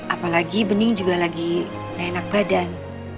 apalagi bening juga lagi enak badan